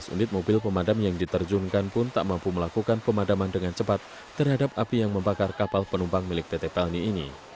empat belas unit mobil pemadam yang diterjunkan pun tak mampu melakukan pemadaman dengan cepat terhadap api yang membakar kapal penumpang milik pt pelni ini